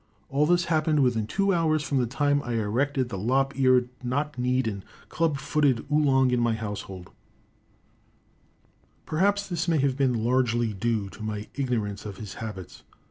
All this happened within two hours from the time I erected the lop eared, knocked kneed and club footed Oolong in my household. [Illustration: THE DOG EXITS.] Perhaps this may have been largely due to my ignorance of his habits.